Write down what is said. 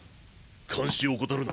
監視を怠るな。